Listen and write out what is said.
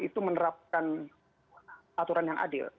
itu menerapkan aturan yang adil